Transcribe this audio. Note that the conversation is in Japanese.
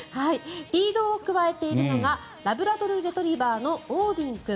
リードをくわえているのがラブラドルレトリバーのオーディン君。